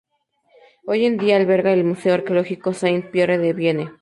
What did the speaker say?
Hoy en día alberga el Museo arqueológico Saint-Pierre de Vienne.